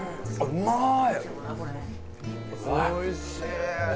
うまい！